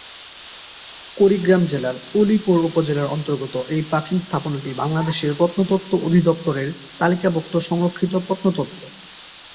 কুড়িগ্রাম জেলার উলিপুর উপজেলার অন্তর্গত এই প্রাচীন স্থাপনাটি বাংলাদেশ প্রত্নতত্ত্ব অধিদপ্তর এর তালিকাভুক্ত সংরক্ষিত প্রত্নতত্ত্ব।